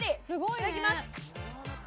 いただきます。